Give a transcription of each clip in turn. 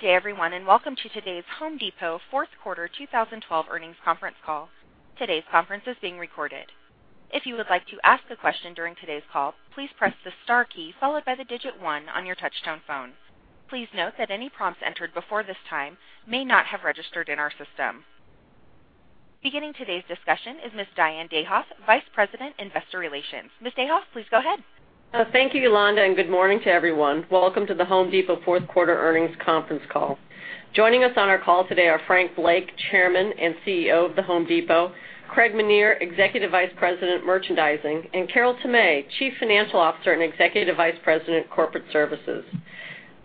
Good day, everyone, welcome to today's The Home Depot fourth quarter 2012 earnings conference call. Today's conference is being recorded. If you would like to ask a question during today's call, please press the star key followed by the digit one on your touch-tone phone. Please note that any prompts entered before this time may not have registered in our system. Beginning today's discussion is Ms. Diane Dayhoff, Vice President, Investor Relations. Ms. Diane Dayhoff, please go ahead. Thank you, Yolanda, good morning to everyone. Welcome to The Home Depot fourth quarter earnings conference call. Joining us on our call today are Frank Blake, Chairman and CEO of The Home Depot, Craig Menear, Executive Vice President, Merchandising, and Carol Tomé, Chief Financial Officer and Executive Vice President, Corporate Services.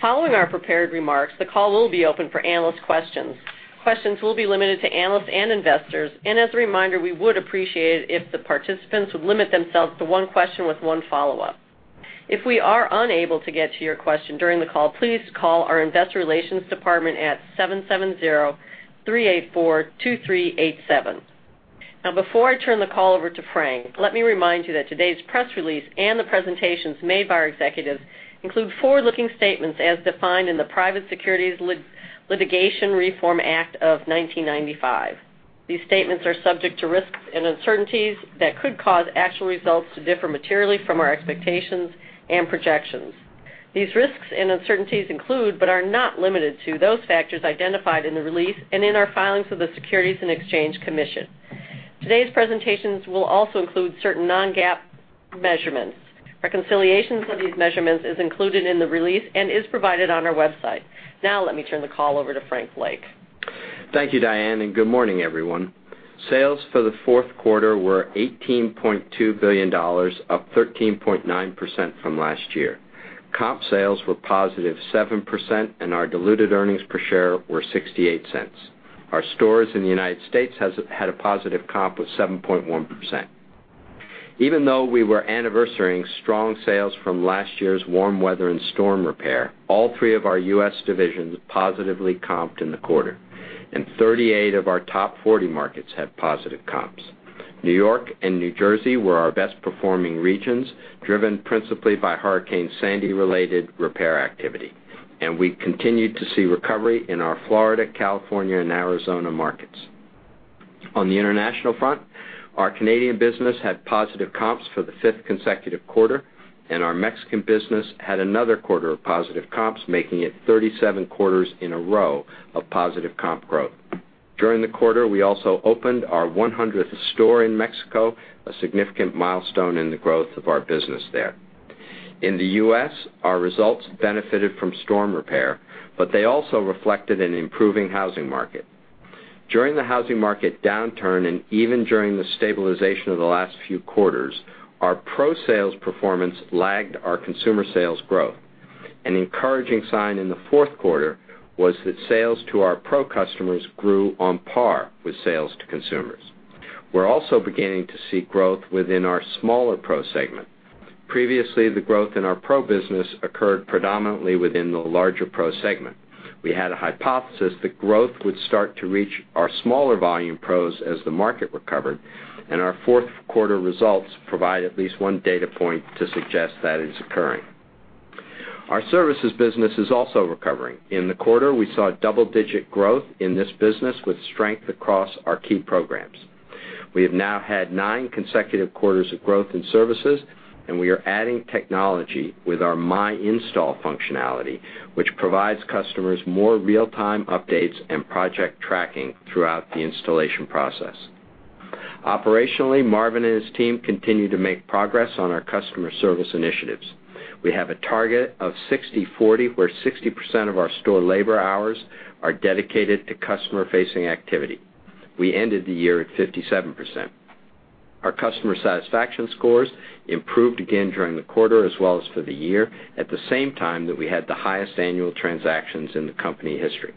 Following our prepared remarks, the call will be open for analyst questions. Questions will be limited to analysts and investors, as a reminder, we would appreciate it if the participants would limit themselves to one question with one follow-up. If we are unable to get to your question during the call, please call our investor relations department at 770-384-2387. Before I turn the call over to Frank, let me remind you that today's press release and the presentations made by our executives include forward-looking statements as defined in the Private Securities Litigation Reform Act of 1995. These statements are subject to risks and uncertainties that could cause actual results to differ materially from our expectations and projections. These risks and uncertainties include, but are not limited to, those factors identified in the release and in our filings with the Securities and Exchange Commission. Today's presentations will also include certain non-GAAP measurements. Reconciliations of these measurements is included in the release and is provided on our website. Let me turn the call over to Frank Blake. Thank you, Diane, good morning, everyone. Sales for the fourth quarter were $18.2 billion, up 13.9% from last year. Comp sales were positive 7%, our diluted earnings per share were $0.68. Our stores in the U.S. had a positive comp of 7.1%. Even though we were anniversarying strong sales from last year's warm weather and storm repair, all three of our U.S. divisions positively comped in the quarter, 38 of our top 40 markets had positive comps. New York and New Jersey were our best performing regions, driven principally by Hurricane Sandy-related repair activity, we continued to see recovery in our Florida, California, and Arizona markets. On the international front, our Canadian business had positive comps for the fifth consecutive quarter, our Mexican business had another quarter of positive comps, making it 37 quarters in a row of positive comp growth. During the quarter, we also opened our 100th store in Mexico, a significant milestone in the growth of our business there. In the U.S., our results benefited from storm repair, but they also reflected an improving housing market. During the housing market downturn, and even during the stabilization of the last few quarters, our pro sales performance lagged our consumer sales growth. An encouraging sign in the fourth quarter was that sales to our pro customers grew on par with sales to consumers. We are also beginning to see growth within our smaller pro segment. Previously, the growth in our pro business occurred predominantly within the larger pro segment. We had a hypothesis that growth would start to reach our smaller volume pros as the market recovered, and our fourth quarter results provide at least one data point to suggest that is occurring. Our services business is also recovering. In the quarter, we saw double-digit growth in this business with strength across our key programs. We have now had nine consecutive quarters of growth in services, and we are adding technology with our MyInstall functionality, which provides customers more real-time updates and project tracking throughout the installation process. Operationally, Marvin and his team continue to make progress on our customer service initiatives. We have a target of 60/40, where 60% of our store labor hours are dedicated to customer-facing activity. We ended the year at 57%. Our customer satisfaction scores improved again during the quarter as well as for the year, at the same time that we had the highest annual transactions in the company history.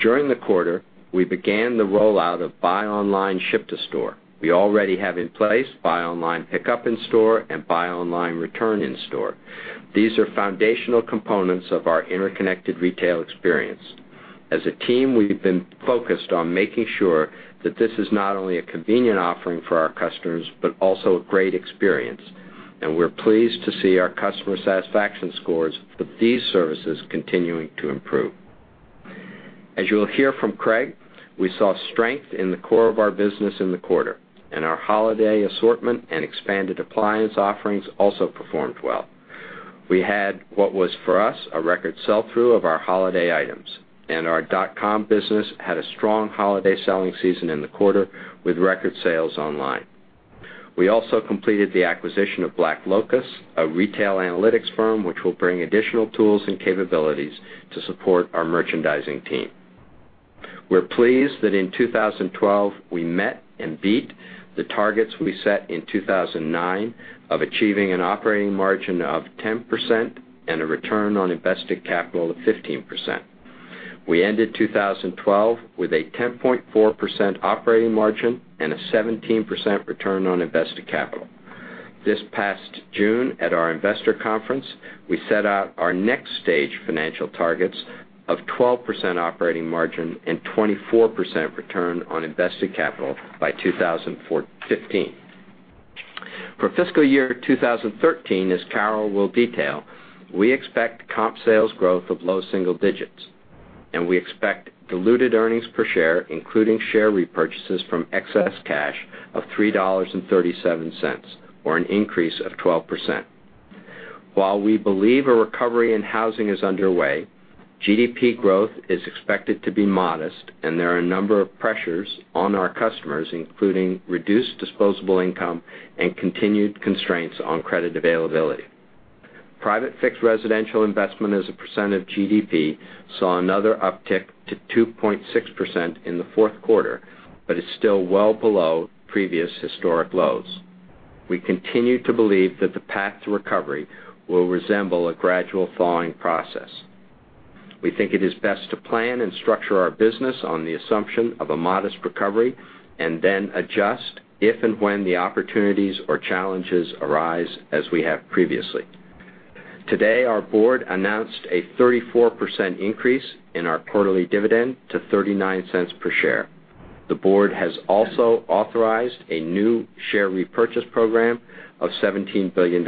During the quarter, we began the rollout of Buy Online, Ship to Store. We already have in place Buy Online, Pickup In Store, and Buy Online, Return In Store. These are foundational components of our interconnected retail experience. As a team, we have been focused on making sure that this is not only a convenient offering for our customers but also a great experience, and we are pleased to see our customer satisfaction scores for these services continuing to improve. As you will hear from Craig, we saw strength in the core of our business in the quarter, and our holiday assortment and expanded appliance offerings also performed well. We had what was for us a record sell-through of our holiday items, and our dot-com business had a strong holiday selling season in the quarter with record sales online. We also completed the acquisition of BlackLocus, a retail analytics firm which will bring additional tools and capabilities to support our merchandising team. We are pleased that in 2012, we met and beat the targets we set in 2009 of achieving an operating margin of 10% and a return on invested capital of 15%. We ended 2012 with a 10.4% operating margin and a 17% return on invested capital. This past June at our investor conference, we set out our next stage financial targets of 12% operating margin and 24% return on invested capital by 2015. For fiscal year 2013, as Carol will detail, we expect comp sales growth of low single digits, and we expect diluted earnings per share, including share repurchases from excess cash, of $3.37, or an increase of 12%. While we believe a recovery in housing is underway, GDP growth is expected to be modest, and there are a number of pressures on our customers, including reduced disposable income and continued constraints on credit availability. Private fixed residential investment as a percent of GDP saw another uptick to 2.6% in the fourth quarter, but is still well below previous historic lows. We continue to believe that the path to recovery will resemble a gradual thawing process. We think it is best to plan and structure our business on the assumption of a modest recovery and then adjust if and when the opportunities or challenges arise, as we have previously. Today, our board announced a 34% increase in our quarterly dividend to $0.39 per share. The board has also authorized a new share repurchase program of $17 billion.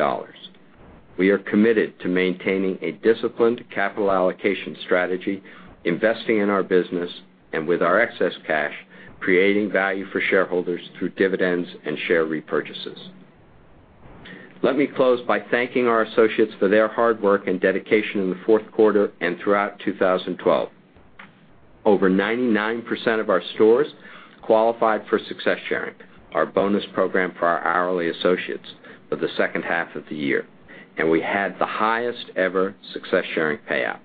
We are committed to maintaining a disciplined capital allocation strategy, investing in our business, and with our excess cash, creating value for shareholders through dividends and share repurchases. Let me close by thanking our associates for their hard work and dedication in the fourth quarter and throughout 2012. Over 99% of our stores qualified for Success Sharing, our bonus program for our hourly associates, for the second half of the year, and we had the highest ever Success Sharing payout.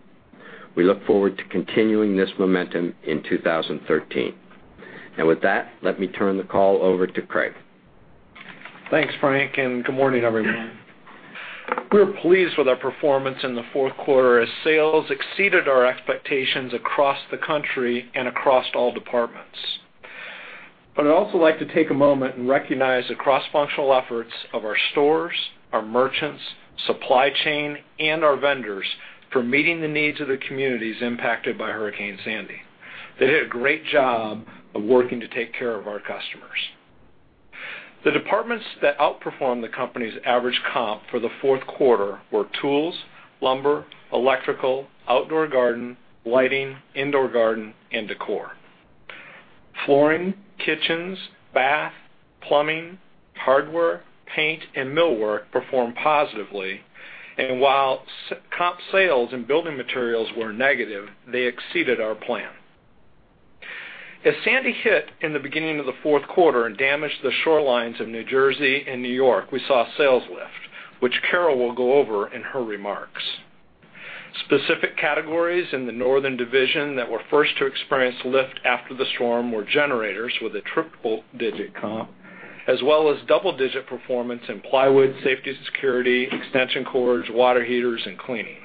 We look forward to continuing this momentum in 2013. With that, let me turn the call over to Craig. Thanks, Frank, and good morning, everyone. We are pleased with our performance in the fourth quarter, as sales exceeded our expectations across the country and across all departments. I'd also like to take a moment and recognize the cross-functional efforts of our stores, our merchants, supply chain, and our vendors for meeting the needs of the communities impacted by Hurricane Sandy. They did a great job of working to take care of our customers. The departments that outperformed the company's average comp for the fourth quarter were tools, lumber, electrical, outdoor garden, lighting, indoor garden, and decor. Flooring, kitchens, bath, plumbing, hardware, paint, and millwork performed positively. While comp sales and building materials were negative, they exceeded our plan. As Sandy hit in the beginning of the fourth quarter and damaged the shorelines of New Jersey and New York, we saw a sales lift, which Carol will go over in her remarks. Specific categories in the northern division that were first to experience lift after the storm were generators with a triple-digit comp, as well as double-digit performance in plywood, safety and security, extension cords, water heaters, and cleaning.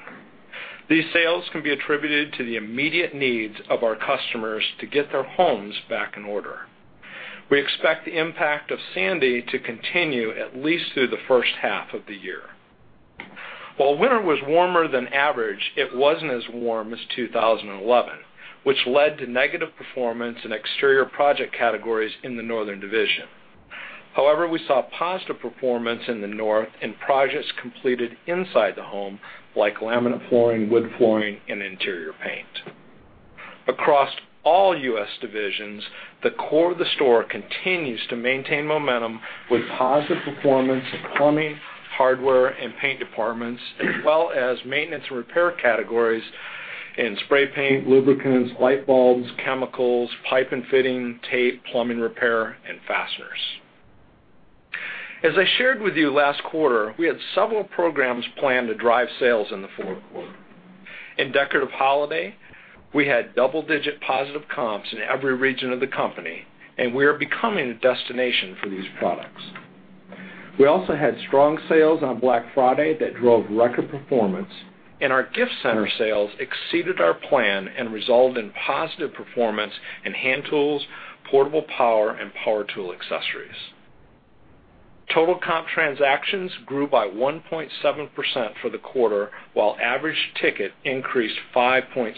These sales can be attributed to the immediate needs of our customers to get their homes back in order. We expect the impact of Sandy to continue at least through the first half of the year. While winter was warmer than average, it wasn't as warm as 2011, which led to negative performance in exterior project categories in the northern division. However, we saw positive performance in the north in projects completed inside the home, like laminate flooring, wood flooring, and interior paint. Across all U.S. divisions, the core of the store continues to maintain momentum with positive performance in plumbing, hardware, and paint departments, as well as maintenance and repair categories in spray paint, lubricants, light bulbs, chemicals, pipe and fitting, tape, plumbing repair, and fasteners. As I shared with you last quarter, we had several programs planned to drive sales in the fourth quarter. In decorative holiday, we had double-digit positive comps in every region of the company, and we are becoming a destination for these products. We also had strong sales on Black Friday that drove record performance, and our gift center sales exceeded our plan and resulted in positive performance in hand tools, portable power, and power tool accessories. Total comp transactions grew by 1.7% for the quarter, while average ticket increased 5.6%.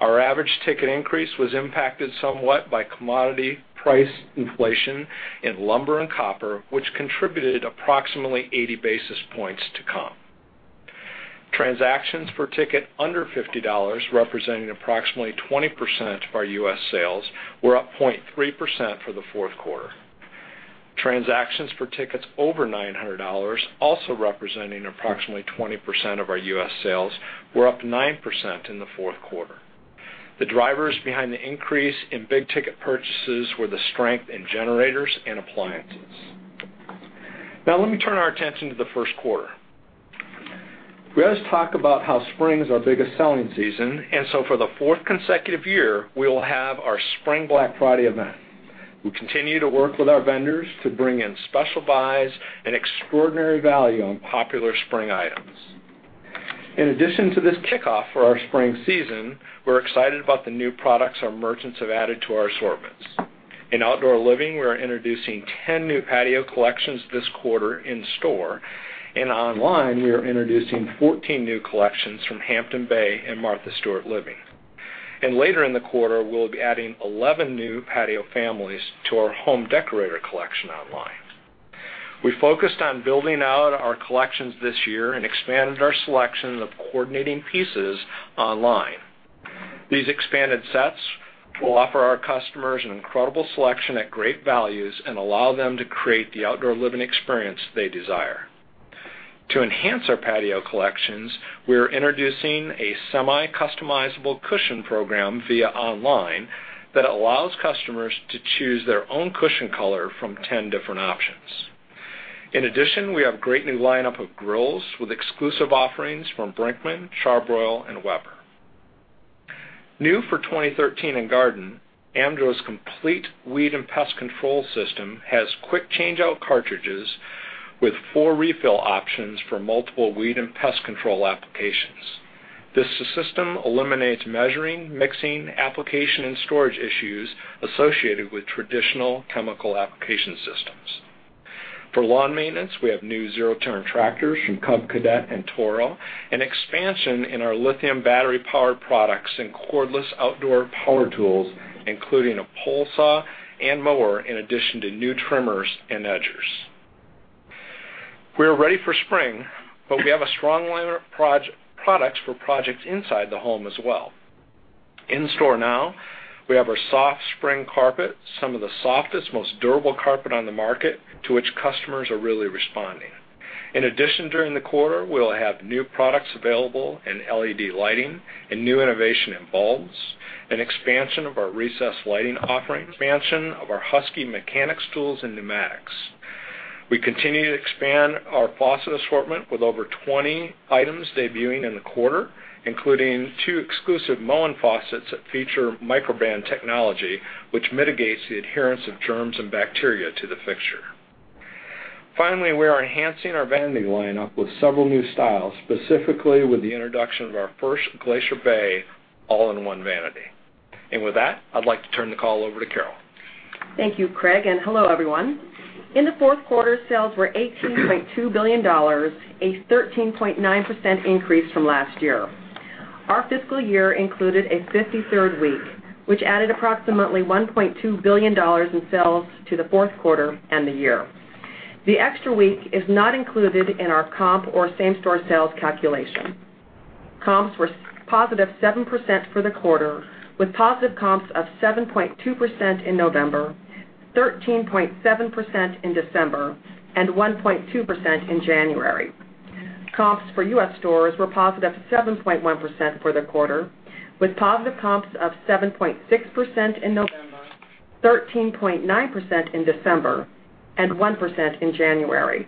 Our average ticket increase was impacted somewhat by commodity price inflation in lumber and copper, which contributed approximately 80 basis points to comp. Transactions per ticket under $50, representing approximately 20% of our U.S. sales, were up 0.3% for the fourth quarter. Transactions for tickets over $900, also representing approximately 20% of our U.S. sales, were up 9% in the fourth quarter. The drivers behind the increase in big-ticket purchases were the strength in generators and appliances. Now let me turn our attention to the first quarter. We always talk about how spring is our biggest selling season, so for the fourth consecutive year, we will have our Spring Black Friday event. We continue to work with our vendors to bring in special buys and extraordinary value on popular spring items. In addition to this kickoff for our spring season, we're excited about the new products our merchants have added to our assortments. In outdoor living, we are introducing 10 new patio collections this quarter in-store, and online, we are introducing 14 new collections from Hampton Bay and Martha Stewart Living. Later in the quarter, we'll be adding 11 new patio families to our Home Decorators Collection online. We focused on building out our collections this year and expanded our selection of coordinating pieces online. These expanded sets will offer our customers an incredible selection at great values and allow them to create the outdoor living experience they desire. To enhance our patio collections, we are introducing a semi-customizable cushion program via online that allows customers to choose their own cushion color from 10 different options. In addition, we have a great new lineup of grills with exclusive offerings from Brinkmann, Char-Broil, and Weber. New for 2013 in garden, Ortho's complete weed and pest control system has quick change-out cartridges with four refill options for multiple weed and pest control applications. This system eliminates measuring, mixing, application, and storage issues associated with traditional chemical application systems. For lawn maintenance, we have new zero-turn tractors from Cub Cadet and Toro, an expansion in our lithium battery-powered products and cordless outdoor power tools, including a pole saw and mower, in addition to new trimmers and edgers. We are ready for spring, we have a strong line of products for projects inside the home as well. In store now, we have our soft spring carpet, some of the softest, most durable carpet on the market, to which customers are really responding. In addition, during the quarter, we'll have new products available in LED lighting and new innovation in bulbs, an expansion of our recessed lighting offering, expansion of our Husky mechanics tools, and pneumatics. We continue to expand our faucet assortment with over 20 items debuting in the quarter, including two exclusive Moen faucets that feature Microban technology, which mitigates the adherence of germs and bacteria to the fixture. Finally, we are enhancing our vanity lineup with several new styles, specifically with the introduction of our first Glacier Bay all-in-one vanity. With that, I'd like to turn the call over to Carol. Thank you, Craig, and hello, everyone. In the fourth quarter, sales were $18.2 billion, a 13.9% increase from last year. Our fiscal year included a 53rd week, which added approximately $1.2 billion in sales to the fourth quarter and the year. The extra week is not included in our comp or same-store sales calculation. Comps were positive 7% for the quarter, with positive comps of 7.2% in November, 13.7% in December, and 1.2% in January. Comps for U.S. stores were positive 7.1% for the quarter, with positive comps of 7.6% in November, 13.9% in December, and 1% in January.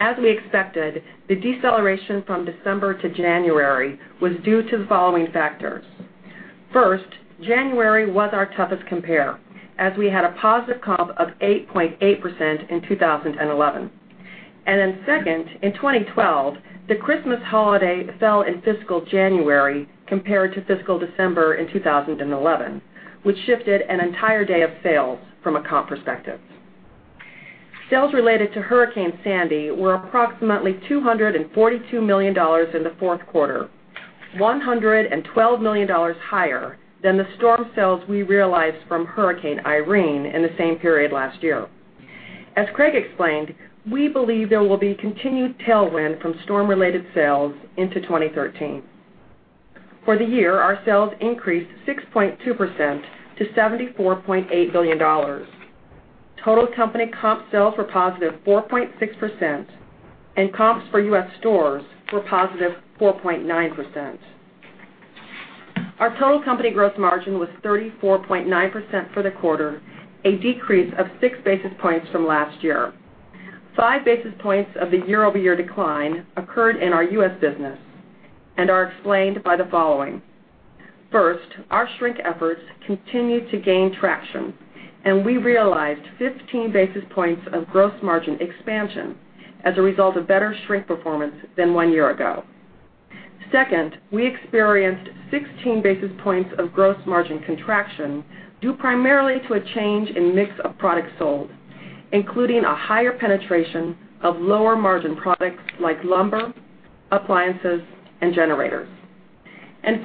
As we expected, the deceleration from December to January was due to the following factors. First, January was our toughest compare as we had a positive comp of 8.8% in 2011. Second, in 2012, the Christmas holiday fell in fiscal January compared to fiscal December in 2011, which shifted an entire day of sales from a comp perspective. Sales related to Hurricane Sandy were approximately $242 million in the fourth quarter, $112 million higher than the storm sales we realized from Hurricane Irene in the same period last year. As Craig explained, we believe there will be continued tailwind from storm-related sales into 2013. For the year, our sales increased 6.2% to $74.8 billion. Total company comp sales were positive 4.6%, comps for U.S. stores were positive 4.9%. Our total company gross margin was 34.9% for the quarter, a decrease of six basis points from last year. Five basis points of the year-over-year decline occurred in our U.S. business and are explained by the following. First, our shrink efforts continued to gain traction, and we realized 15 basis points of gross margin expansion as a result of better shrink performance than one year ago. Second, we experienced 16 basis points of gross margin contraction due primarily to a change in mix of products sold, including a higher penetration of lower-margin products like lumber, appliances, and generators.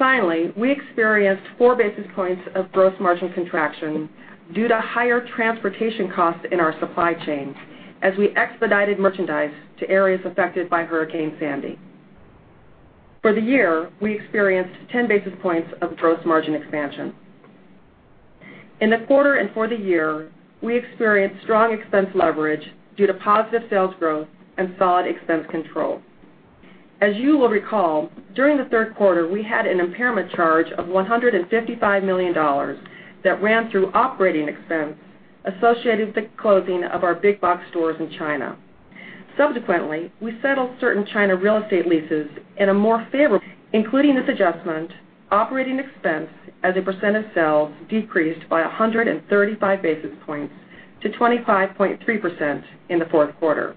Finally, we experienced four basis points of gross margin contraction due to higher transportation costs in our supply chain as we expedited merchandise to areas affected by Hurricane Sandy. For the year, we experienced 10 basis points of gross margin expansion. In the quarter and for the year, we experienced strong expense leverage due to positive sales growth and solid expense control. As you will recall, during the third quarter, we had an impairment charge of $155 million that ran through operating expense associated with the closing of our big box stores in China. Subsequently, we settled certain China real estate leases. Including this adjustment, operating expense as a percent of sales decreased by 135 basis points to 25.3% in the fourth quarter.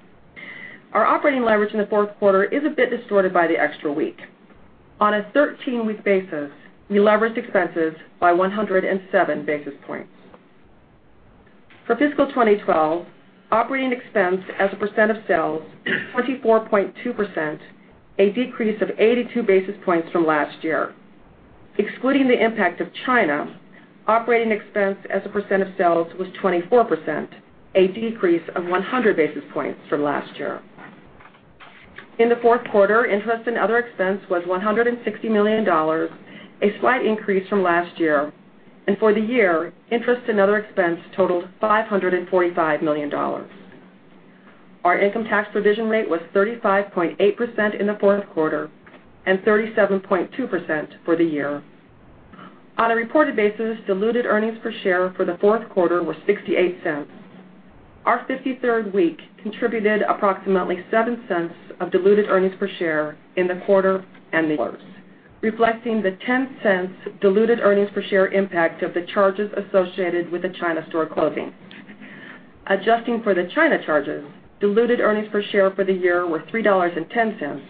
Our operating leverage in the fourth quarter is a bit distorted by the extra week. On a 13-week basis, we leveraged expenses by 107 basis points. For fiscal 2012, operating expense as a percent of sales, 24.2%, a decrease of 82 basis points from last year. Excluding the impact of China, operating expense as a percent of sales was 24%, a decrease of 100 basis points from last year. In the fourth quarter, interest and other expense was $160 million, a slight increase from last year. For the year, interest and other expense totaled $545 million. Our income tax provision rate was 35.8% in the fourth quarter, and 37.2% for the year. On a reported basis, diluted earnings per share for the fourth quarter were $0.68. Our 53rd week contributed approximately $0.07 of diluted earnings per share in the quarter and the quarters, reflecting the $0.10 diluted earnings per share impact of the charges associated with the China store closing. Adjusting for the China charges, diluted earnings per share for the year were $3.10,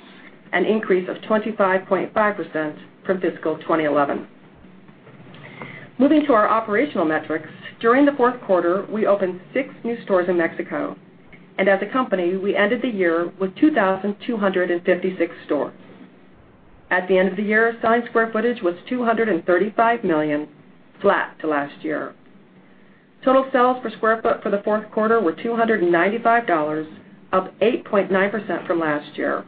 an increase of 25.5% from fiscal 2011. Moving to our operational metrics. During the fourth quarter, we opened six new stores in Mexico, and as a company, we ended the year with 2,256 stores. At the end of the year, selling square footage was 235 million, flat to last year. Total sales per square foot for the fourth quarter were $295, up 8.9% from last year.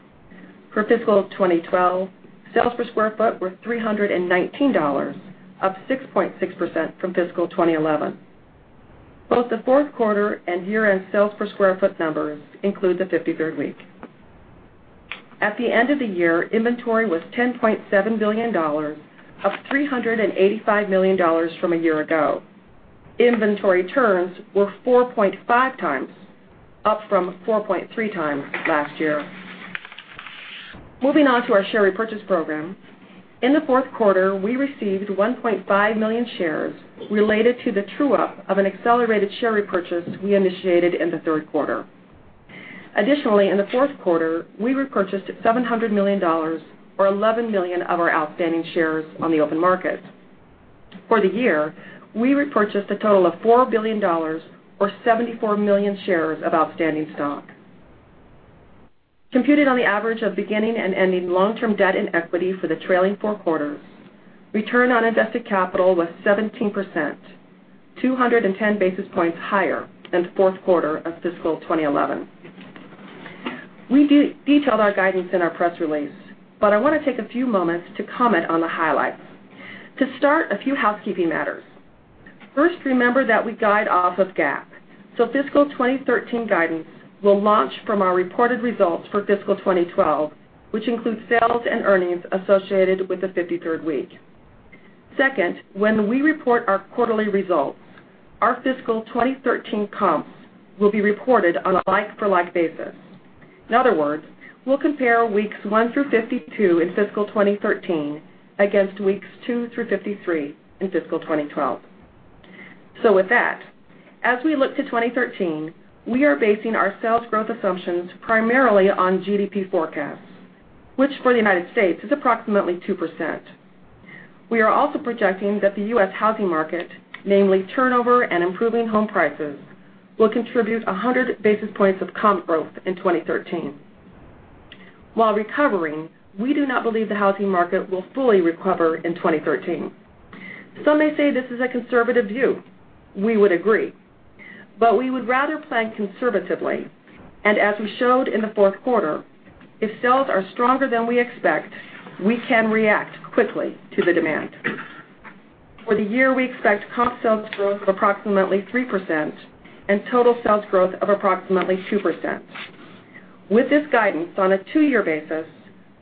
For fiscal 2012, sales per square foot were $319, up 6.6% from fiscal 2011. Both the fourth quarter and year-end sales per square foot numbers include the 53rd week. At the end of the year, inventory was $10.7 billion, up $385 million from a year ago. Inventory turns were 4.5 times, up from 4.3 times last year. Moving on to our share repurchase program. In the fourth quarter, we received 1.5 million shares related to the true-up of an accelerated share repurchase we initiated in the third quarter. In the fourth quarter, we repurchased $700 million, or 11 million of our outstanding shares on the open market. For the year, we repurchased a total of $4 billion or 74 million shares of outstanding stock. Computed on the average of beginning and ending long-term debt and equity for the trailing four quarters, return on invested capital was 17%, 210 basis points higher than fourth quarter of fiscal 2011. We detailed our guidance in our press release, I want to take a few moments to comment on the highlights. To start, a few housekeeping matters. First, remember that we guide off of GAAP. Fiscal 2013 guidance will launch from our reported results for fiscal 2012, which includes sales and earnings associated with the 53rd week. Second, when we report our quarterly results, our fiscal 2013 comps will be reported on a like-for-like basis. In other words, we'll compare weeks one through 52 in fiscal 2013 against weeks two through 53 in fiscal 2012. As we look to 2013, we are basing our sales growth assumptions primarily on GDP forecasts, which for the U.S. is approximately 2%. We are also projecting that the U.S. housing market, namely turnover and improving home prices, will contribute 100 basis points of comp growth in 2013. While recovering, we do not believe the housing market will fully recover in 2013. Some may say this is a conservative view. We would agree. We would rather plan conservatively, and as we showed in the fourth quarter, if sales are stronger than we expect, we can react quickly to the demand. For the year, we expect comp sales growth of approximately 3% and total sales growth of approximately 2%. With this guidance, on a two-year basis,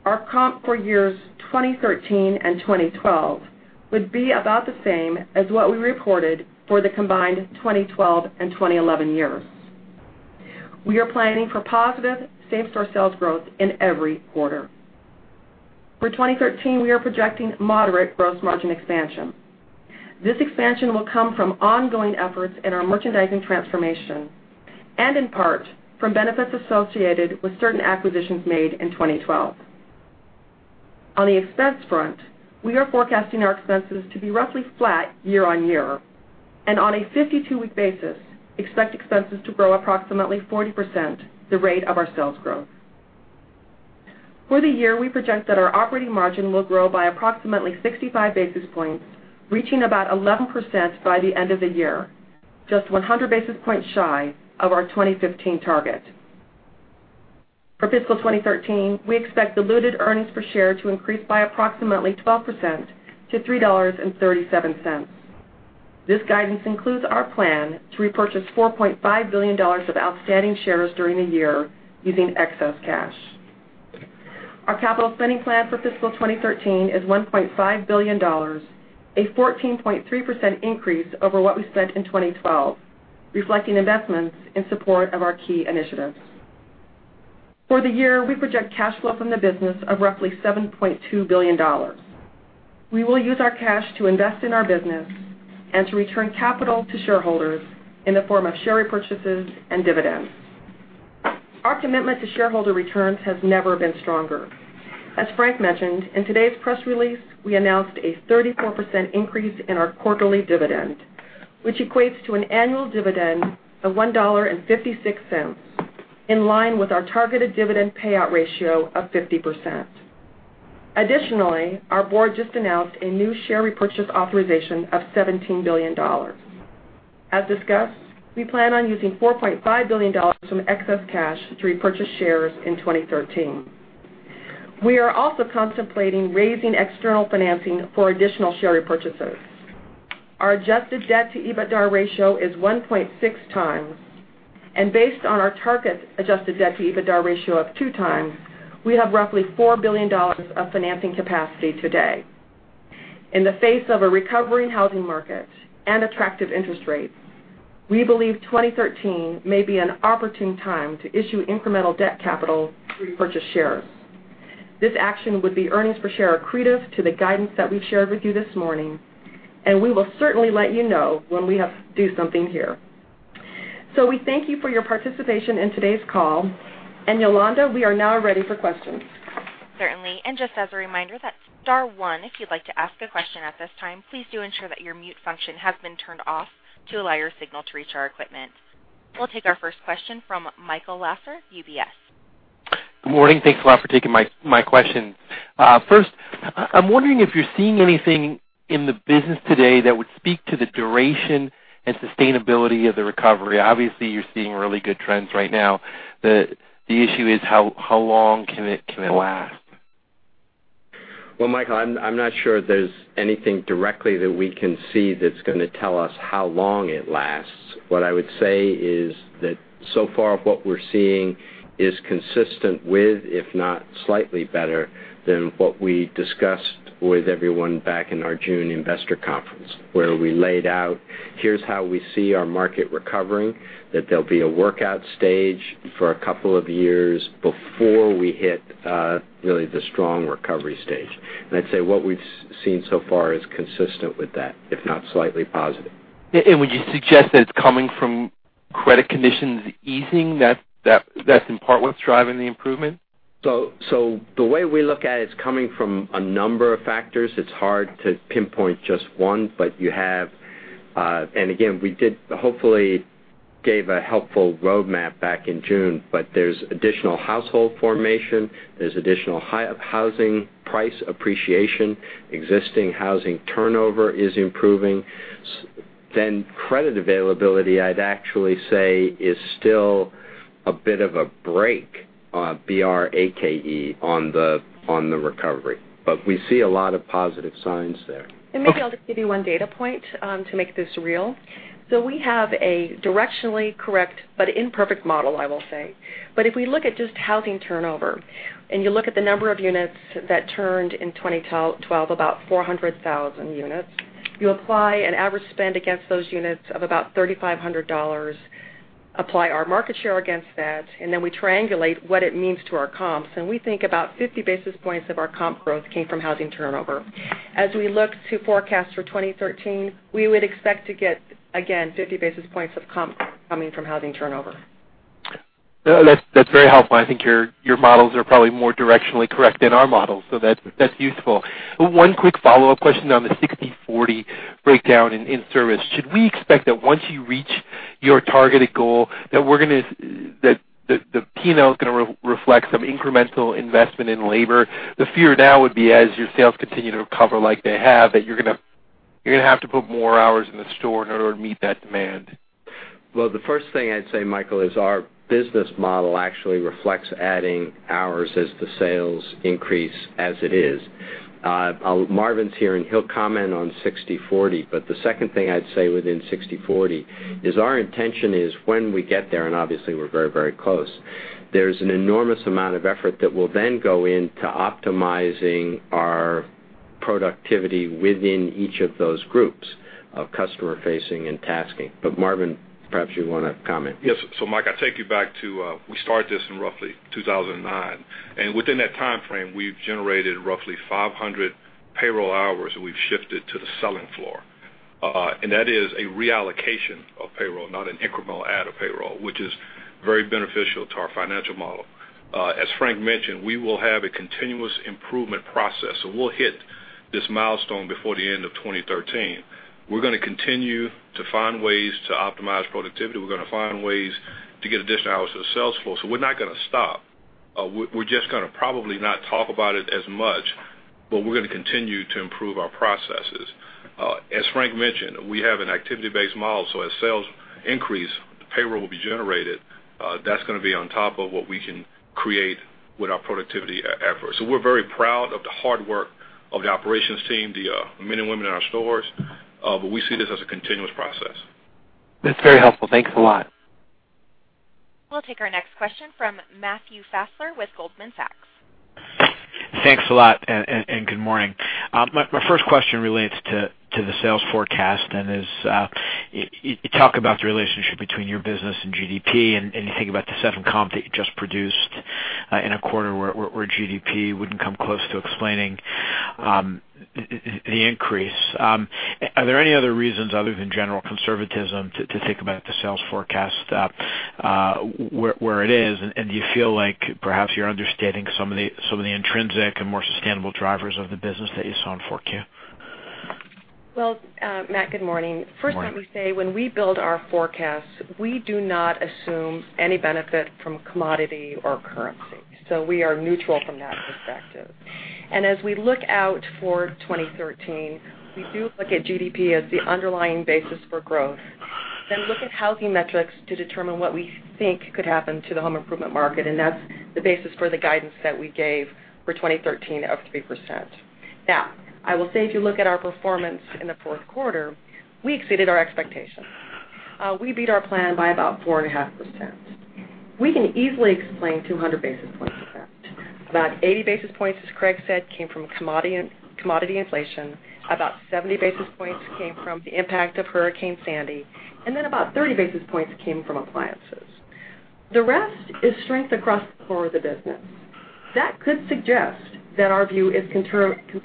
our comp for years 2013 and 2012 would be about the same as what we reported for the combined 2012 and 2011 years. We are planning for positive same-store sales growth in every quarter. For 2013, we are projecting moderate gross margin expansion. This expansion will come from ongoing efforts in our merchandising transformation and in part from benefits associated with certain acquisitions made in 2012. On the expense front, we are forecasting our expenses to be roughly flat year-over-year, and on a 52-week basis, expect expenses to grow approximately 40%, the rate of our sales growth. For the year, we project that our operating margin will grow by approximately 65 basis points, reaching about 11% by the end of the year, just 100 basis points shy of our 2015 target. For fiscal 2013, we expect diluted earnings per share to increase by approximately 12% to $3.37. This guidance includes our plan to repurchase $4.5 billion of outstanding shares during the year using excess cash. Our capital spending plan for fiscal 2013 is $1.5 billion, a 14.3% increase over what we spent in 2012, reflecting investments in support of our key initiatives. For the year, we project cash flow from the business of roughly $7.2 billion. We will use our cash to invest in our business and to return capital to shareholders in the form of share repurchases and dividends. Our commitment to shareholder returns has never been stronger. As Frank mentioned, in today's press release, we announced a 34% increase in our quarterly dividend, which equates to an annual dividend of $1.56, in line with our targeted dividend payout ratio of 50%. Additionally, our board just announced a new share repurchase authorization of $17 billion. As discussed, we plan on using $4.5 billion from excess cash to repurchase shares in 2013. We are also contemplating raising external financing for additional share repurchases. Our adjusted debt to EBITDA ratio is 1.6 times. Based on our target adjusted debt to EBITDA ratio of 2 times, we have roughly $4 billion of financing capacity today. In the face of a recovering housing market and attractive interest rates, we believe 2013 may be an opportune time to issue incremental debt capital to repurchase shares. This action would be earnings per share accretive to the guidance that we've shared with you this morning, and we will certainly let you know when we have to do something here. We thank you for your participation in today's call. Yolanda, we are now ready for questions. Certainly. Just as a reminder, that's star one if you'd like to ask a question at this time. Please do ensure that your mute function has been turned off to allow your signal to reach our equipment. We'll take our first question from Michael Lasser, UBS. Good morning. Thanks a lot for taking my question. First, I'm wondering if you're seeing anything in the business today that would speak to the duration and sustainability of the recovery. Obviously, you're seeing really good trends right now. The issue is how long can it last? Well, Michael, I'm not sure there's anything directly that we can see that's going to tell us how long it lasts. What I would say is that so far what we're seeing is consistent with, if not slightly better, than what we discussed with everyone back in our June investor conference, where we laid out, here's how we see our market recovering, that there'll be a workout stage for a couple of years before we hit really the strong recovery stage. I'd say what we've seen so far is consistent with that, if not slightly positive. Would you suggest that it's coming from credit conditions easing, that's in part what's driving the improvement? The way we look at it's coming from a number of factors. It's hard to pinpoint just one. Again, we hopefully gave a helpful roadmap back in June. There's additional household formation, there's additional housing price appreciation, existing housing turnover is improving. Credit availability, I'd actually say, is still a bit of a brake, B-R-A-K-E, on the recovery. We see a lot of positive signs there. Maybe I'll just give you one data point to make this real. We have a directionally correct, but imperfect model, I will say. If we look at just housing turnover, and you look at the number of units that turned in 2012, about 400,000 units. You apply an average spend against those units of about $3,500, apply our market share against that, and then we triangulate what it means to our comps, and we think about 50 basis points of our comp growth came from housing turnover. As we look to forecast for 2013, we would expect to get, again, 50 basis points of comp coming from housing turnover. That's very helpful. I think your models are probably more directionally correct than our models, so that's useful. One quick follow-up question on the 60/40 breakdown in in-service. Should we expect that once you reach your targeted goal, that the P&L is going to reflect some incremental investment in labor? The fear now would be as your sales continue to recover like they have, that you're going to have to put more hours in the store in order to meet that demand. Well, the first thing I'd say, Michael, is our business model actually reflects adding hours as the sales increase as it is. Marvin's here, and he'll comment on 60/40, but the second thing I'd say within 60/40 is our intention is when we get there, and obviously we're very close, there's an enormous amount of effort that will then go into optimizing our productivity within each of those groups of customer facing and tasking. Marvin, perhaps you want to comment. Yes. Mike, I take you back to, we started this in roughly 2009. Within that timeframe, we've generated roughly 500 payroll hours that we've shifted to the selling floor. That is a reallocation of payroll, not an incremental add of payroll, which is very beneficial to our financial model. As Frank mentioned, we will have a continuous improvement process, so we'll hit this milestone before the end of 2013. We're going to continue to find ways to optimize productivity. We're going to find ways to get additional hours of sales floor. We're not going to stop. We're just going to probably not talk about it as much, but we're going to continue to improve our processes. As Frank mentioned, we have an activity-based model, so as sales increase, payroll will be generated. That's going to be on top of what we can create with our productivity efforts. We're very proud of the hard work of the operations team, the men and women in our stores, but we see this as a continuous process. That's very helpful. Thanks a lot. We'll take our next question from Matthew Fassler with Goldman Sachs. Thanks a lot, good morning. My first question relates to the sales forecast as you talk about the relationship between your business and GDP, and you think about the 7 comps that you just produced in a quarter where GDP wouldn't come close to explaining the increase. Are there any other reasons other than general conservatism to think about the sales forecast, where it is? Do you feel like perhaps you're understating some of the intrinsic and more sustainable drivers of the business that you saw in 4Q? Well, Matt, good morning. Morning. First, let me say, when we build our forecasts, we do not assume any benefit from commodity or currency. We are neutral from that perspective. As we look out for 2013, we do look at GDP as the underlying basis for growth, then look at housing metrics to determine what we think could happen to the home improvement market, and that's the basis for the guidance that we gave for 2013 of 3%. Now, I will say, if you look at our performance in the fourth quarter, we exceeded our expectations. We beat our plan by about 4.5%. We can easily explain 200 basis points of that. About 80 basis points, as Craig said, came from commodity inflation, about 70 basis points came from the impact of Hurricane Sandy, and then about 30 basis points came from appliances. The rest is strength across the core of the business. That could suggest that our view is conservative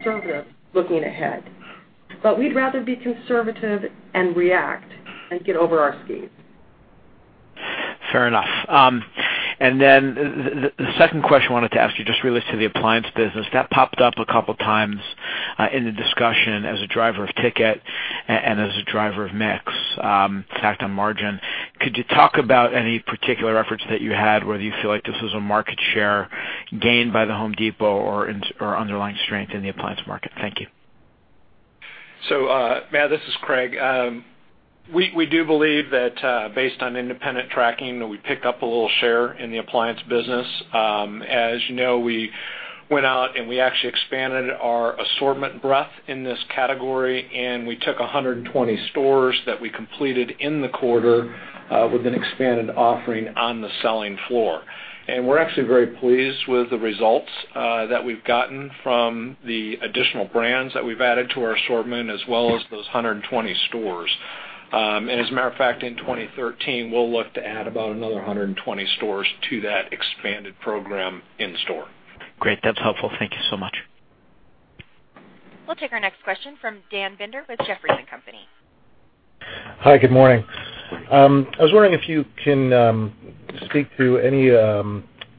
looking ahead. We'd rather be conservative and react and get over our skis. Fair enough. The second question I wanted to ask you just relates to the appliance business. That popped up a couple of times in the discussion as a driver of ticket and as a driver of mix, impact on margin. Could you talk about any particular efforts that you had, whether you feel like this was a market share gained by The Home Depot or underlying strength in the appliance market? Thank you. Matt, this is Craig. We do believe that based on independent tracking, that we picked up a little share in the appliance business. As you know, we went out and we actually expanded our assortment breadth in this category, and we took 120 stores that we completed in the quarter with an expanded offering on the selling floor. We're actually very pleased with the results that we've gotten from the additional brands that we've added to our assortment, as well as those 120 stores. As a matter of fact, in 2013, we'll look to add about another 120 stores to that expanded program in store. Great. That's helpful. Thank you so much. We'll take our next question from Dan Binder with Jefferies & Company. Hi, good morning. I was wondering if you can speak to any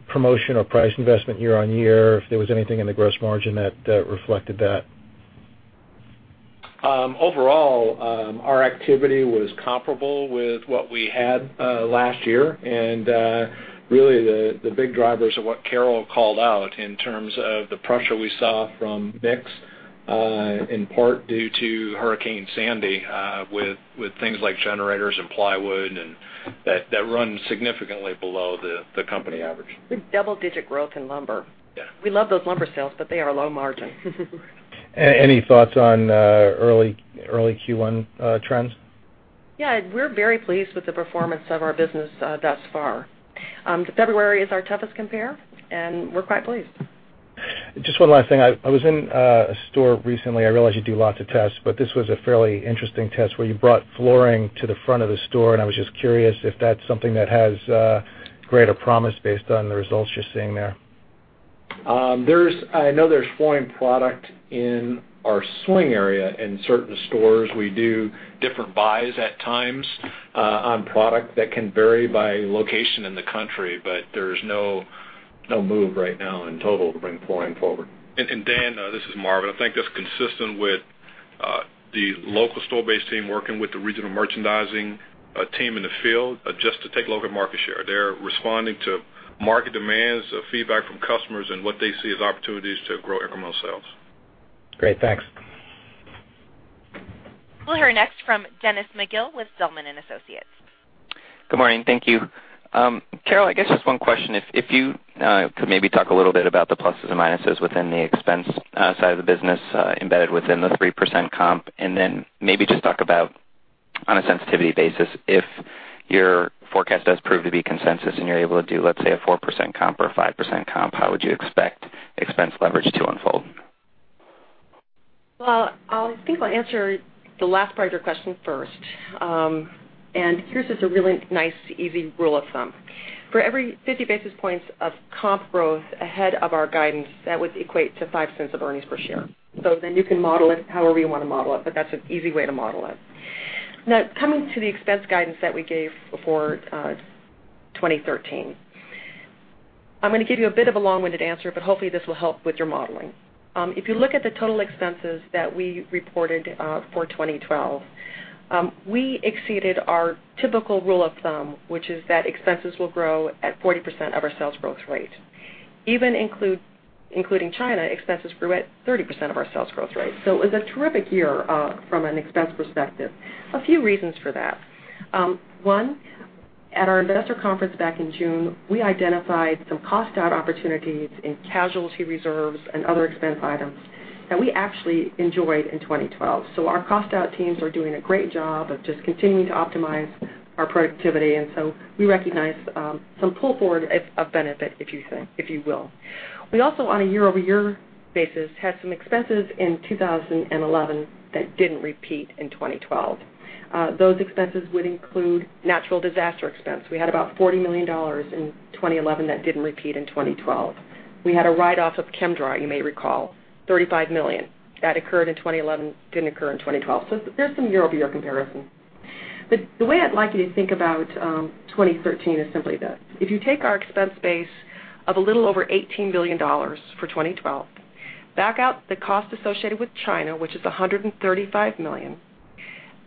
promotion or price investment year-on-year, if there was anything in the gross margin that reflected that. Overall, our activity was comparable with what we had last year. Really the big drivers are what Carol called out in terms of the pressure we saw from mix, in part due to Hurricane Sandy, with things like generators and plywood and that run significantly below the company average. We had double-digit growth in lumber. Yeah. We love those lumber sales, they are low margin. Any thoughts on early Q1 trends? Yeah, we're very pleased with the performance of our business thus far. February is our toughest compare, and we're quite pleased. Just one last thing. I was in a store recently. I realize you do lots of tests, but this was a fairly interesting test where you brought flooring to the front of the store, and I was just curious if that's something that has greater promise based on the results you're seeing there. I know there's flooring product in our swing area. In certain stores, we do different buys at times on product that can vary by location in the country, but there's no move right now in total to bring flooring forward. Dan, this is Marvin. I think that's consistent with the local store-based team working with the regional merchandising team in the field, just to take local market share. They're responding to market demands, feedback from customers, and what they see as opportunities to grow incremental sales. Great. Thanks. We'll hear next from Dennis McGill with Zelman & Associates. Good morning. Thank you. Carol, I guess just one question, if you could maybe talk a little bit about the pluses and minuses within the expense side of the business embedded within the 3% comp, then maybe just talk about, on a sensitivity basis, if your forecast does prove to be consensus and you're able to do, let's say, a 4% comp or a 5% comp, how would you expect expense leverage to unfold? Well, I think I'll answer the last part of your question first. Here's just a really nice, easy rule of thumb. For every 50 basis points of comp growth ahead of our guidance, that would equate to $0.05 of earnings per share. You can model it however you want to model it, but that's an easy way to model it. Coming to the expense guidance that we gave for 2013. I'm going to give you a bit of a long-winded answer, but hopefully, this will help with your modeling. If you look at the total expenses that we reported for 2012, we exceeded our typical rule of thumb, which is that expenses will grow at 40% of our sales growth rate. Even including China, expenses grew at 30% of our sales growth rate. It was a terrific year from an expense perspective. A few reasons for that. One, at our investor conference back in June, we identified some cost out opportunities in casualty reserves and other expense items that we actually enjoyed in 2012. Our cost out teams are doing a great job of just continuing to optimize our productivity, and we recognize some pull forward of benefit, if you will. We also, on a year-over-year basis, had some expenses in 2011 that didn't repeat in 2012. Those expenses would include natural disaster expense. We had about $40 million in 2011 that didn't repeat in 2012. We had a write-off of Chem-Dry, you may recall, $35 million. That occurred in 2011, didn't occur in 2012. There's some year-over-year comparison. The way I'd like you to think about 2013 is simply this. If you take our expense base of a little over $18 billion for 2012, back out the cost associated with China, which is $135 million.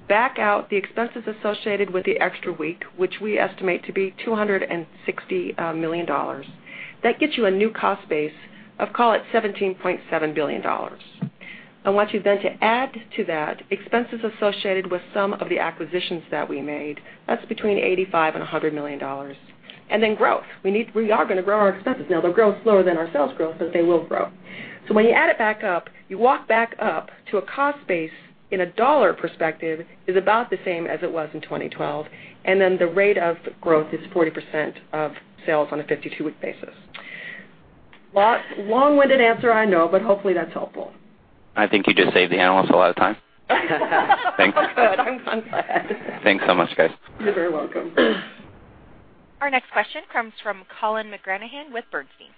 Back out the expenses associated with the extra week, which we estimate to be $260 million. That gets you a new cost base of, call it $17.7 billion. I want you then to add to that expenses associated with some of the acquisitions that we made. That's between $85 million-$100 million. Growth. We are going to grow our expenses. They'll grow slower than our sales growth, but they will grow. When you add it back up, you walk back up to a cost base in a dollar perspective, is about the same as it was in 2012, and the rate of growth is 40% of sales on a 52-week basis. Long-winded answer, I know, but hopefully that's helpful. I think you just saved the analysts a lot of time. Good. I'm glad. Thanks so much, guys. You're very welcome. Our next question comes from Colin McGranahan with Bernstein.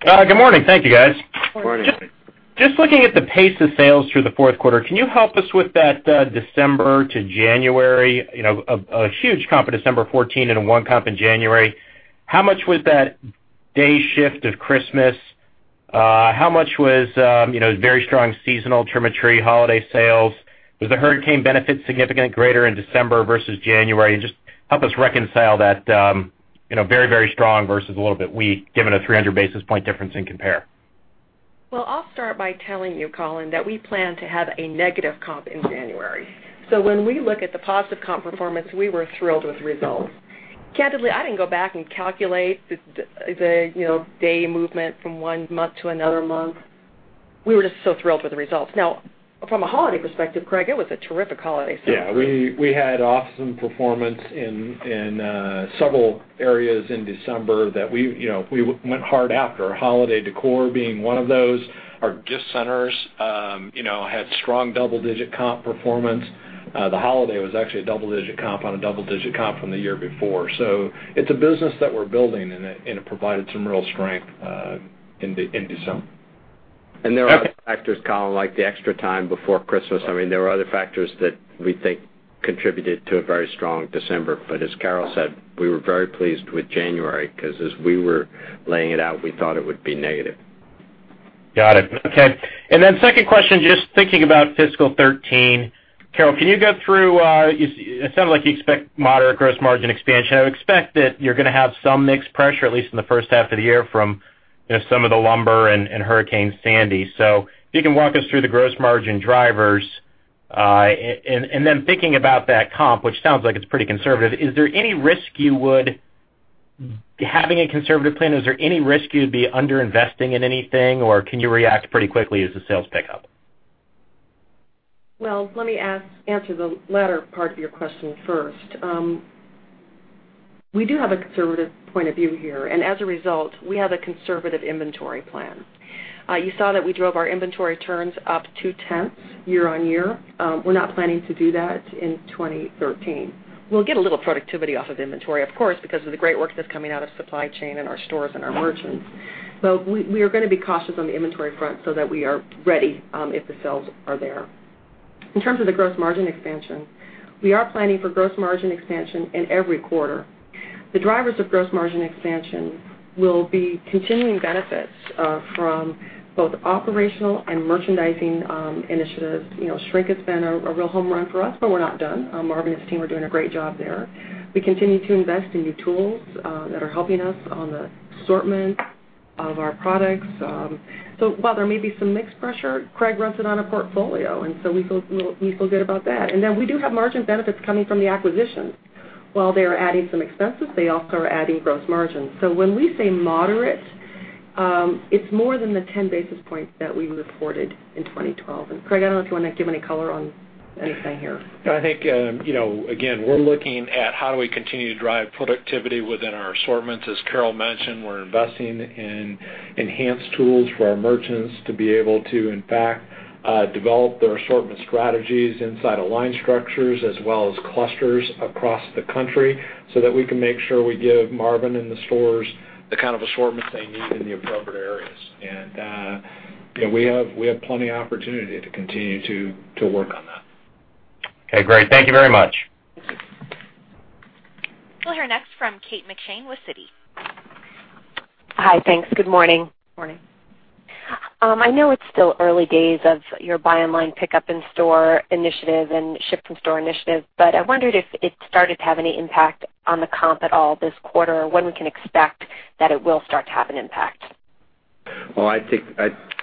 Good morning. Thank you, guys. Good morning. Just looking at the pace of sales through the fourth quarter, can you help us with that December to January, a huge comp in December 14 and a one comp in January. How much was that day shift of Christmas? How much was very strong seasonal tree holiday sales? Was the hurricane benefit significantly greater in December versus January? Just help us reconcile that very strong versus a little bit weak, given a 300 basis point difference in comp. Well, I'll start by telling you, Colin, that we plan to have a negative comp in January. When we look at the positive comp performance, we were thrilled with the results. Candidly, I didn't go back and calculate the day movement from one month to another month. We were just so thrilled with the results. From a holiday perspective, Craig, it was a terrific holiday season. Yeah, we had awesome performance in several areas in December that we went hard after. Holiday decor being one of those. Our gift centers had strong double-digit comp performance. The holiday was actually a double-digit comp on a double-digit comp from the year before. It's a business that we're building, and it provided some real strength in December. There are other factors, Colin, like the extra time before Christmas. There were other factors that we think contributed to a very strong December. As Carol said, we were very pleased with January because as we were laying it out, we thought it would be negative. Got it. Okay. Second question, just thinking about fiscal 2013. Carol, can you go through, it sounded like you expect moderate gross margin expansion. I would expect that you're going to have some mixed pressure, at least in the first half of the year, from some of the lumber and Hurricane Sandy. If you can walk us through the gross margin drivers. Then thinking about that comp, which sounds like it's pretty conservative, having a conservative plan, is there any risk you'd be under-investing in anything, or can you react pretty quickly as the sales pick up? Well, let me answer the latter part of your question first. We do have a conservative point of view here, and as a result, we have a conservative inventory plan. You saw that we drove our inventory turns up two-tenths year-over-year. We're not planning to do that in 2013. We'll get a little productivity off of inventory, of course, because of the great work that's coming out of supply chain and our stores and our merchants. We are going to be cautious on the inventory front so that we are ready if the sales are there. In terms of the gross margin expansion, we are planning for gross margin expansion in every quarter. The drivers of gross margin expansion will be continuing benefits from both operational and merchandising initiatives. Shrink has been a real home run for us, but we're not done. Marvin and his team are doing a great job there. We continue to invest in new tools that are helping us on the assortment of our products. While there may be some mixed pressure, Craig runs it on a portfolio, and so we feel good about that. Then we do have margin benefits coming from the acquisitions. While they are adding some expenses, they also are adding gross margin. When we say moderate, it's more than the 10 basis points that we reported in 2012. Craig, I don't know if you want to give any color on anything here. I think, again, we're looking at how do we continue to drive productivity within our assortments. As Carol mentioned, we're investing in enhanced tools for our merchants to be able to, in fact, develop their assortment strategies inside of line structures as well as clusters across the country so that we can make sure we give Marvin and the stores the kind of assortments they need in the appropriate areas. We have plenty opportunity to continue to work on that. Okay, great. Thank you very much. We'll hear next from Kate McShane with Citi. Hi, thanks. Good morning. Morning. I know it's still early days of your buy online, pickup in store initiative and ship from store initiative, I wondered if it started to have any impact on the comp at all this quarter, or when we can expect that it will start to have an impact. Well, I think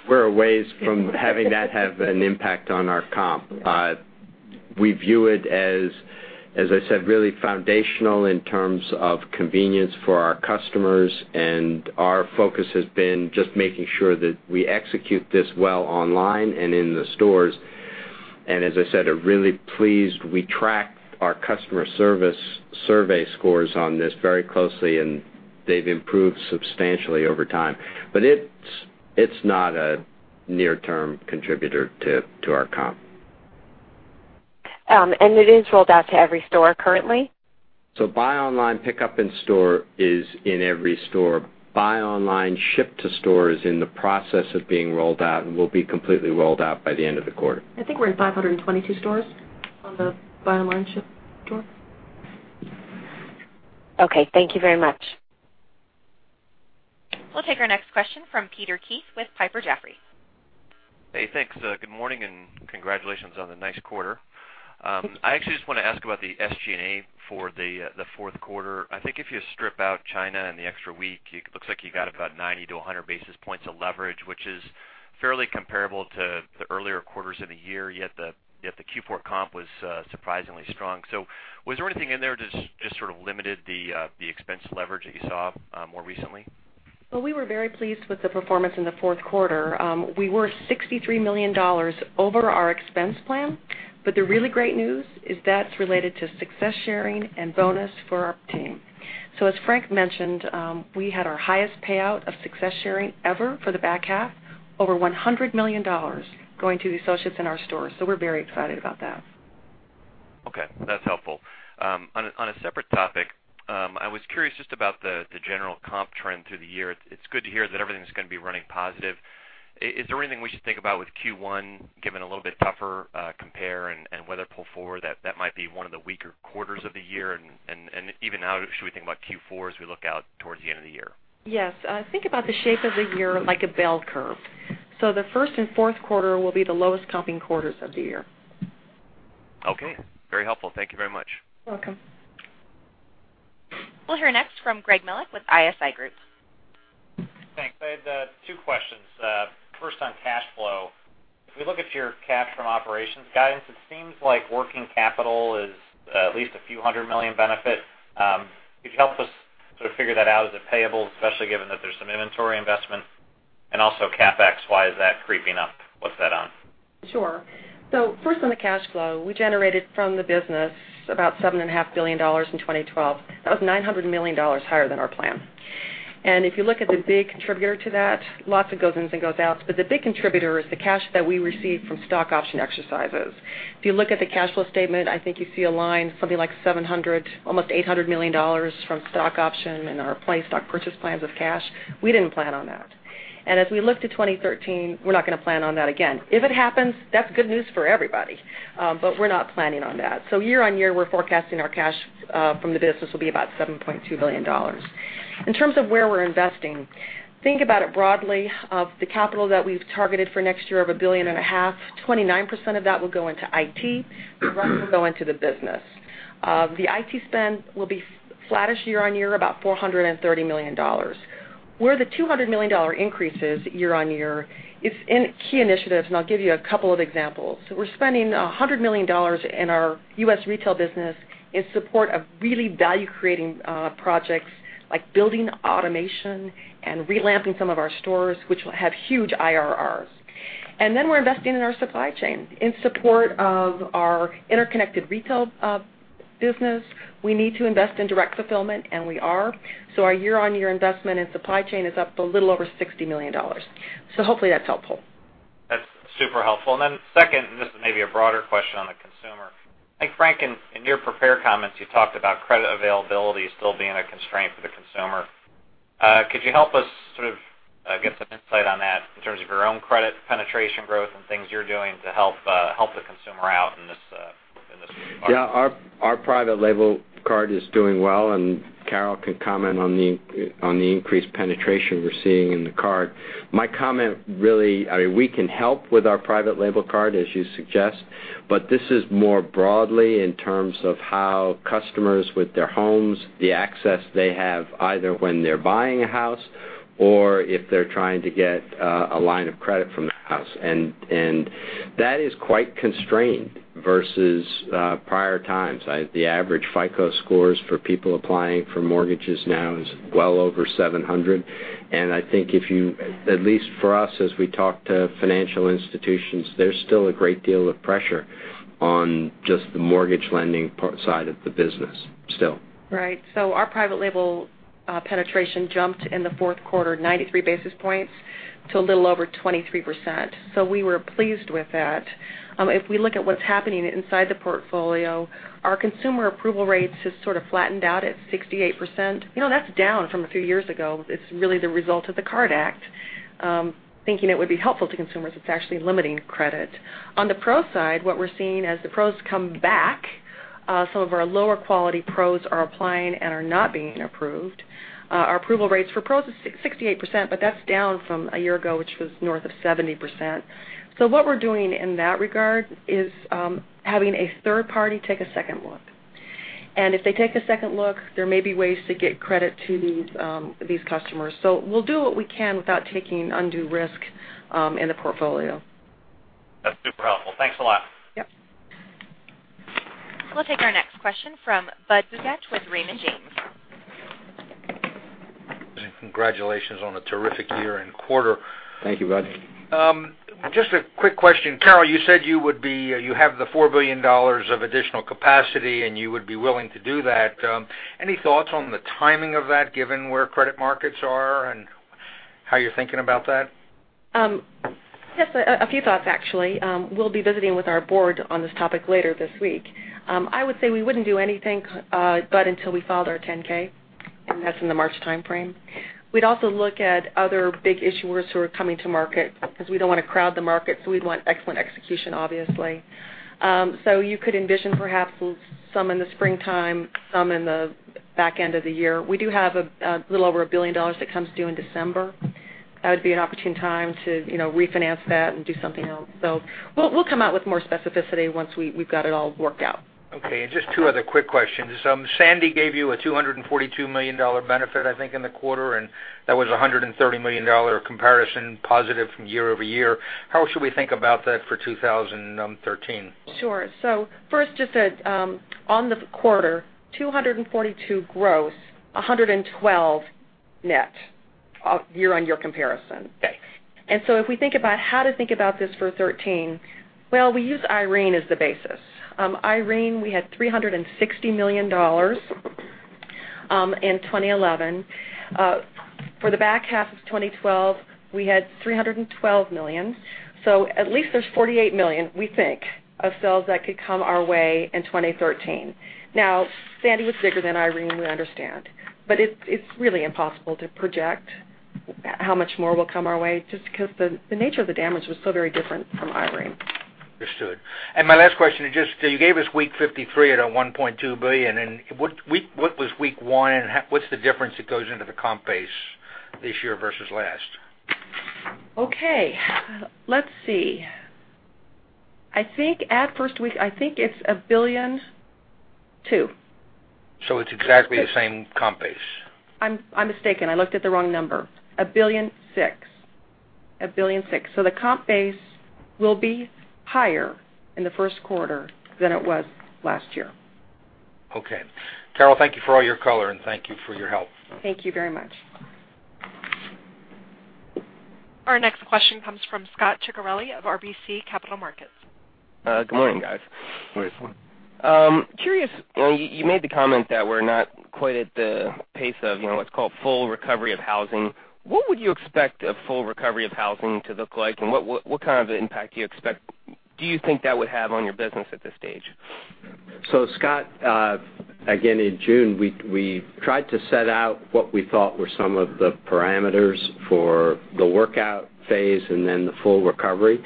we're a ways from having that have an impact on our comp. We view it as I said, really foundational in terms of convenience for our customers, our focus has been just making sure that we execute this well online and in the stores. As I said, are really pleased. We track our customer service survey scores on this very closely, and they've improved substantially over time. It's not a near-term contributor to our comp. Is it rolled out to every store currently? Buy online, pickup in store is in every store. Buy online, ship to store is in the process of being rolled out and will be completely rolled out by the end of the quarter. I think we're in 522 stores on the buy online ship to store. Okay, thank you very much. We'll take our next question from Peter Keith with Piper Jaffray. Hey, thanks. Good morning, and congratulations on the nice quarter. I actually just want to ask about the SG&A for the fourth quarter. I think if you strip out China and the extra week, it looks like you got about 90 to 100 basis points of leverage, which is fairly comparable to the earlier quarters of the year, yet the Q4 comp was surprisingly strong. Was there anything in there just sort of limited the expense leverage that you saw more recently? Well, we were very pleased with the performance in the fourth quarter. We were $63 million over our expense plan. The really great news is that's related to Success Sharing and bonus for our team. As Frank mentioned, we had our highest payout of Success Sharing ever for the back half, over $100 million going to the associates in our stores. We're very excited about that. Okay, that's helpful. On a separate topic, I was curious just about the general comp trend through the year. It's good to hear that everything's going to be running positive. Is there anything we should think about with Q1, given a little bit tougher compare and weather pull forward, that might be one of the weaker quarters of the year? Even now, should we think about Q4 as we look out towards the end of the year? Yes. Think about the shape of the year like a bell curve. The first and fourth quarter will be the lowest comping quarters of the year. Okay. Very helpful. Thank you very much. You're welcome. We'll hear next from Gregory Melich with ISI Group. Thanks. I have two questions. First, on cash flow. If we look at your cash from operations guidance, it seems like working capital is at least a few hundred million benefit. Could you help us sort of figure that out? Is it payable, especially given that there's some inventory investment? Also, CapEx, why is that creeping up? What's that on? Sure. First on the cash flow. We generated from the business about $7.5 billion in 2012. That was $900 million higher than our plan. If you look at the big contributor to that, lots of goes in and goes out, the big contributor is the cash that we received from stock option exercises. If you look at the cash flow statement, I think you see a line, something like $700 million, almost $800 million from stock option and our employee stock purchase plans of cash. We didn't plan on that. As we look to 2013, we're not going to plan on that again. If it happens, that's good news for everybody. We're not planning on that. Year-over-year, we're forecasting our cash from the business will be about $7.2 billion. In terms of where we're investing, think about it broadly. Of the capital that we've targeted for next year of $1.5 billion, 29% of that will go into IT. The rest will go into the business. The IT spend will be flattish year-over-year, about $430 million. Where the $200 million increase is year-over-year is in key initiatives, and I'll give you a couple of examples. We're spending $100 million in our U.S. retail business in support of really value-creating projects like building automation and re-lamping some of our stores, which will have huge IRRs. We're investing in our supply chain. In support of our interconnected retail business, we need to invest in direct fulfillment, and we are. Our year-over-year investment in supply chain is up a little over $60 million. Hopefully that's helpful. That's super helpful. Second, this is maybe a broader question on the consumer. I think, Frank, in your prepared comments, you talked about credit availability still being a constraint for the consumer. Could you help us sort of get some insight on that in terms of your own credit penetration growth and things you're doing to help the consumer out in this new environment? Yeah, our private label card is doing well, Carol can comment on the increased penetration we're seeing in the card. I mean, we can help with our private label card, as you suggest, this is more broadly in terms of how customers with their homes, the access they have either when they're buying a house or if they're trying to get a line of credit from the house. That is quite constrained versus prior times. The average FICO scores for people applying for mortgages now is well over 700. I think if you, at least for us, as we talk to financial institutions, there's still a great deal of pressure on just the mortgage lending side of the business still. Right. Our private label penetration jumped in the fourth quarter 93 basis points to a little over 23%. We were pleased with that. If we look at what's happening inside the portfolio, our consumer approval rates have sort of flattened out at 68%. That's down from a few years ago. It's really the result of the CARD Act. Thinking it would be helpful to consumers, it's actually limiting credit. On the pro side, what we're seeing as the pros come back, some of our lower quality pros are applying and are not being approved. Our approval rates for pros is 68%, but that's down from a year ago, which was north of 70%. What we're doing in that regard is having a third party take a second look. If they take a second look, there may be ways to get credit to these customers. We'll do what we can without taking undue risk in the portfolio. That's super helpful. Thanks a lot. Yep. We'll take our next question from Budd Bugatch with Raymond James. Congratulations on a terrific year and quarter. Thank you, Budd. Just a quick question. Carol, you said you have the $4 billion of additional capacity, and you would be willing to do that. Any thoughts on the timing of that, given where credit markets are and how you're thinking about that? Yes, a few thoughts, actually. We'll be visiting with our board on this topic later this week. I would say we wouldn't do anything, Budd, until we filed our 10-K, and that's in the March timeframe. We'd also look at other big issuers who are coming to market because we don't want to crowd the market, we'd want excellent execution, obviously. You could envision perhaps some in the springtime, some in the back end of the year. We do have a little over $1 billion that comes due in December. That would be an opportune time to refinance that and do something else. We'll come out with more specificity once we've got it all worked out. Okay. Just two other quick questions. Sandy gave you a $242 million benefit, I think, in the quarter, and that was $130 million comparison positive from year-over-year. How should we think about that for 2013? Sure. First, just on the quarter, $242 gross, $112 net year-on-year comparison. Okay. If we think about how to think about this for 2013, well, we use Hurricane Irene as the basis. Hurricane Irene, we had $360 million in 2011. For the back half of 2012, we had $312 million. At least there's $48 million, we think, of sales that could come our way in 2013. Now, Hurricane Sandy was bigger than Hurricane Irene, we understand. It's really impossible to project how much more will come our way just because the nature of the damage was so very different from Hurricane Irene. Understood. My last question is just you gave us week 53 at a $1.2 billion. What was week one? What's the difference that goes into the comp base this year versus last? Okay. Let's see. I think at first week, I think it's $1.2 billion. It's exactly the same comp base? I'm mistaken. I looked at the wrong number. $1.6 billion. The comp base will be higher in the first quarter than it was last year. Okay. Carol, thank you for all your color, and thank you for your help. Thank you very much. Our next question comes from Scot Ciccarelli of RBC Capital Markets. Good morning, guys. Morning. Curious, you made the comment that we're not quite at the pace of what's called full recovery of housing. What would you expect a full recovery of housing to look like, and what kind of impact do you think that would have on your business at this stage? Scot, again, in June, we tried to set out what we thought were some of the parameters for the workout phase and then the full recovery.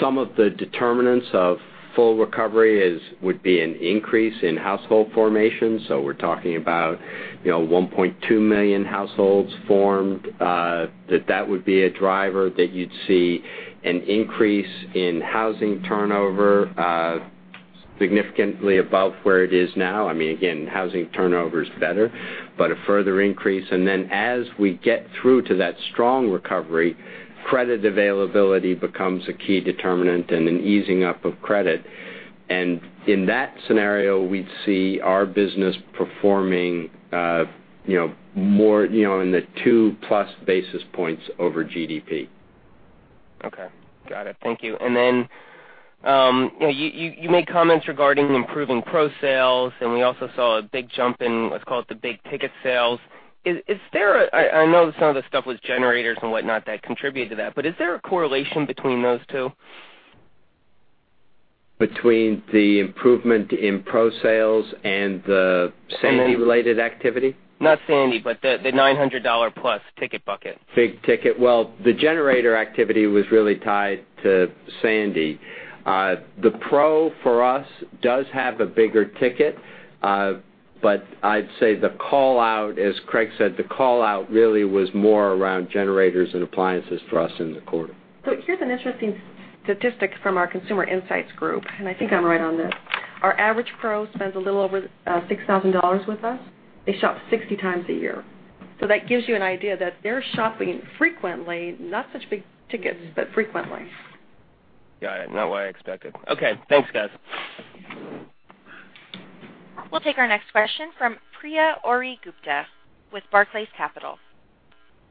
Some of the determinants of full recovery would be an increase in household formation. We're talking about 1.2 million households formed, that would be a driver that you'd see an increase in housing turnover significantly above where it is now. Again, housing turnover is better, but a further increase. Then as we get through to that strong recovery, credit availability becomes a key determinant and an easing up of credit. In that scenario, we'd see our business performing in the two-plus basis points over GDP. Okay. Got it. Thank you. Then you made comments regarding improving pro sales, and we also saw a big jump in, let's call it the big-ticket sales. I know some of the stuff was generators and whatnot that contributed to that, but is there a correlation between those two? Between the improvement in pro sales and the Hurricane Sandy-related activity? Not Hurricane Sandy, the $900-plus ticket bucket. Big ticket. Well, the generator activity was really tied to Hurricane Sandy. The pro for us does have a bigger ticket, but I'd say the call-out, as Craig said, the call-out really was more around generators and appliances for us in the quarter. Here's an interesting statistic from our consumer insights group, and I think I'm right on this. Our average pro spends a little over $6,000 with us. They shop 60 times a year. That gives you an idea that they're shopping frequently, not such big tickets, but frequently. Got it. Not what I expected. Okay. Thanks, guys. We'll take our next question from Priya Ohri-Gupta with Barclays Capital.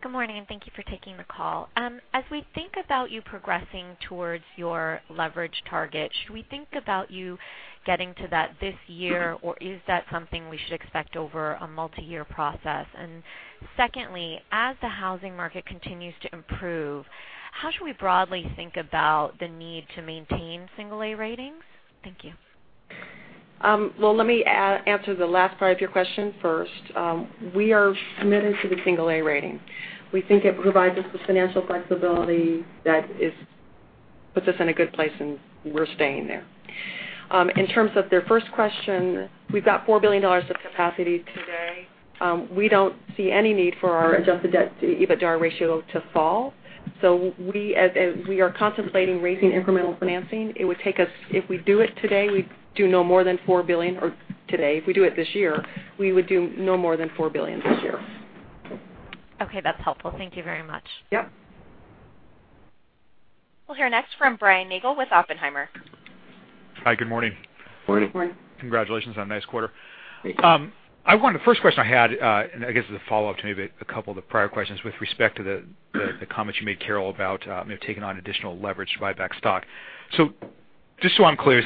Good morning. Thank you for taking the call. As we think about you progressing towards your leverage target, should we think about you getting to that this year, or is that something we should expect over a multi-year process? Secondly, as the housing market continues to improve, how should we broadly think about the need to maintain single A ratings? Thank you. Let me answer the last part of your question first. We are committed to the single A rating. We think it provides us with financial flexibility that puts us in a good place, and we're staying there. In terms of the first question, we've got $4 billion of capacity today. We don't see any need for our adjusted EBITDA ratio to fall. We are contemplating raising incremental financing. If we do it today, we do no more than $4 billion, or today, if we do it this year, we would do no more than $4 billion this year. Okay, that's helpful. Thank you very much. Yep. We'll hear next from Brian Nagel with Oppenheimer. Hi, good morning. Good morning. Congratulations on a nice quarter. Thank you. The first question I had, I guess as a follow-up to maybe a couple of the prior questions with respect to the comment you made, Carol, about maybe taking on additional leverage to buy back stock. Just so I'm clear,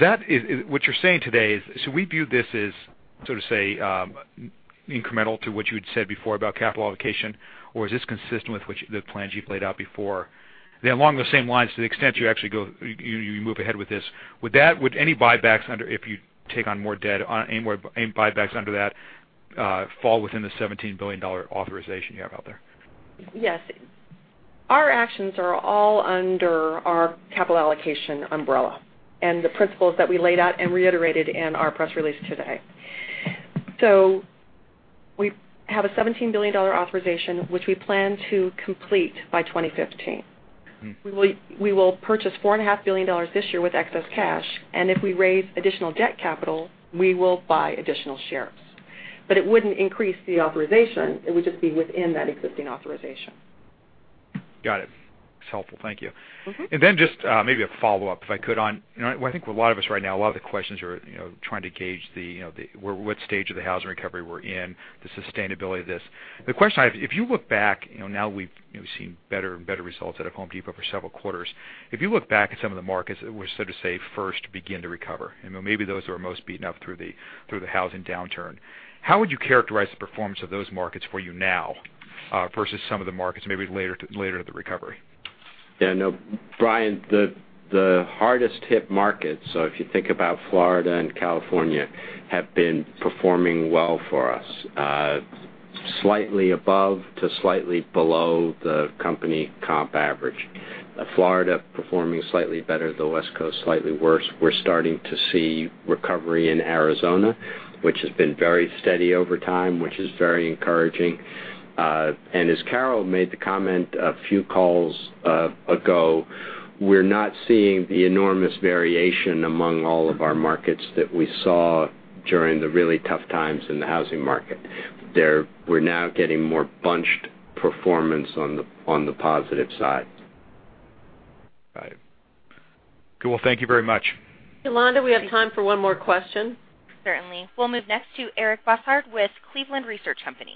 what you're saying today is, should we view this as sort of say, incremental to what you had said before about capital allocation, or is this consistent with the plans you played out before? Along those same lines, to the extent you actually move ahead with this, would any buybacks under, if you take on more debt, any buybacks under that fall within the $17 billion authorization you have out there? Yes. Our actions are all under our capital allocation umbrella and the principles that we laid out and reiterated in our press release today. We have a $17 billion authorization, which we plan to complete by 2015. We will purchase $4.5 billion this year with excess cash, if we raise additional debt capital, we will buy additional shares. It wouldn't increase the authorization. It would just be within that existing authorization. Got it. That's helpful. Thank you. Just maybe a follow-up, if I could. I think with a lot of us right now, a lot of the questions are trying to gauge what stage of the housing recovery we're in, the sustainability of this. The question I have, now we've seen better and better results out of The Home Depot for several quarters. If you look back at some of the markets, which so to say, first to begin to recover, maybe those that are most beaten up through the housing downturn. How would you characterize the performance of those markets for you now, versus some of the markets maybe later at the recovery? Yeah, I know, Brian, the hardest-hit markets, so if you think about Florida and California, have been performing well for us. Slightly above to slightly below the company comp average. Florida performing slightly better, the West Coast slightly worse. We're starting to see recovery in Arizona, which has been very steady over time, which is very encouraging. As Carol made the comment a few calls ago, we're not seeing the enormous variation among all of our markets that we saw during the really tough times in the housing market. We're now getting more bunched performance on the positive side. Got it. Cool. Thank you very much. Yolanda, we have time for one more question. Certainly. We'll move next to Eric Bosshard with Cleveland Research Company.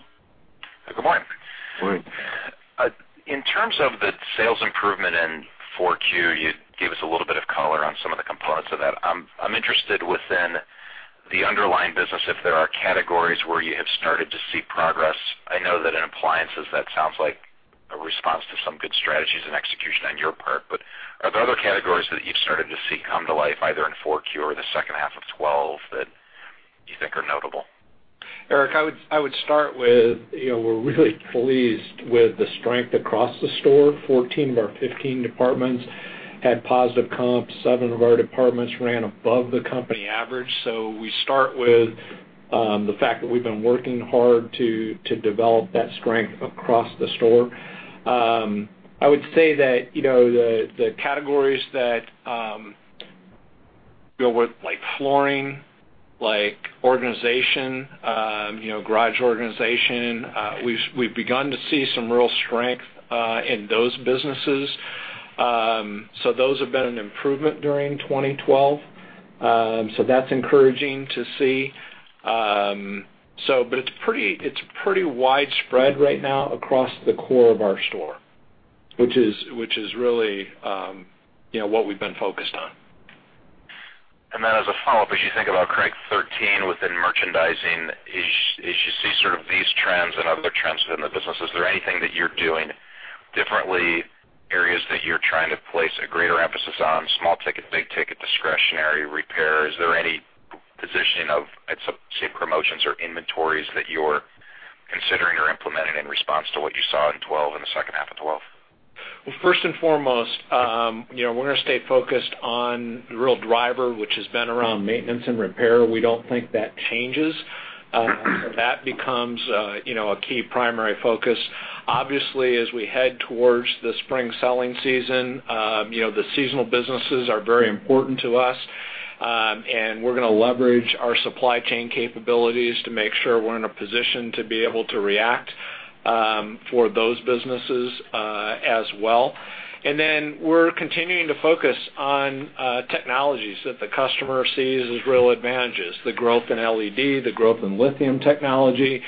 Good morning. Good morning. In terms of the sales improvement in Q4, you gave us a little bit of color on some of the components of that. I'm interested within the underlying business, if there are categories where you have started to see progress. I know that in appliances, that sounds like a response to some good strategies and execution on your part. Are there other categories that you've started to see come to life, either in Q4 or the second half of 2012, that you think are notable? Eric, I would start with, we're really pleased with the strength across the store. 14 of our 15 departments had positive comps. Seven of our departments ran above the company average. We start with the fact that we've been working hard to develop that strength across the store. I would say that the categories like flooring, like organization, garage organization, we've begun to see some real strength in those businesses. Those have been an improvement during 2012. That's encouraging to see. It's pretty widespread right now across the core of our store, which is really what we've been focused on. As a follow-up, as you think about, Craig, 2013 within merchandising, as you see sort of these trends and other trends within the business, is there anything that you're doing differently, areas that you're trying to place a greater emphasis on, small ticket, big ticket, discretionary, repair? Is there any positioning of, say, promotions or inventories that you're considering or implementing in response to what you saw in 2012, in the second half of 2012? First and foremost, we're going to stay focused on the real driver, which has been around maintenance and repair. We don't think that changes. That becomes a key primary focus. As we head towards the spring selling season, the seasonal businesses are very important to us. We're going to leverage our supply chain capabilities to make sure we're in a position to be able to react for those businesses as well. We're continuing to focus on technologies that the customer sees as real advantages. The growth in LED, the growth in lithium technology,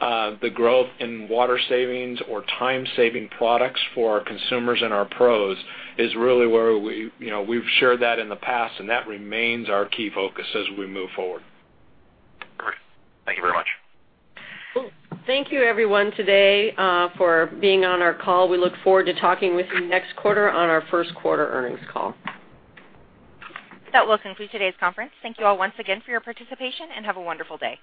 the growth in water savings or time-saving products for our consumers and our pros is really where we've shared that in the past, and that remains our key focus as we move forward. Great. Thank you very much. Thank you everyone today for being on our call. We look forward to talking with you next quarter on our first quarter earnings call. That will conclude today's conference. Thank you all once again for your participation. Have a wonderful day.